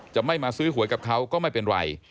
จะไม่มาซื้อหวยกับเขาก็ไม่เป็นไร